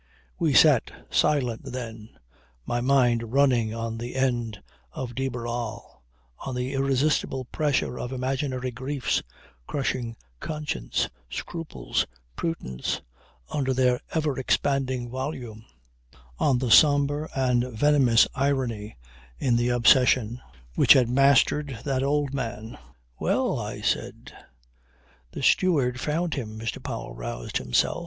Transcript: We sat silent then, my mind running on the end of de Barral, on the irresistible pressure of imaginary griefs, crushing conscience, scruples, prudence, under their ever expanding volume; on the sombre and venomous irony in the obsession which had mastered that old man. "Well," I said. "The steward found him," Mr. Powell roused himself.